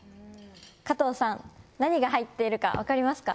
加藤さん何が入っているかわかりますか？